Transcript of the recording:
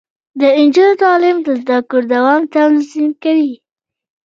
د نجونو تعلیم د زدکړو دوام تضمین کوي.